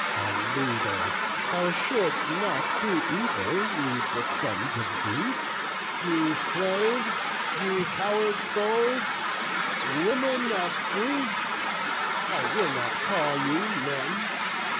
a leader, thou Shouldst not to evil lead the sons of Greece. Ye slaves! ye coward souls! Women of Greece! I will not call you men!